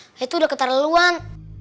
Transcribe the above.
ayah itu udah ketar leluan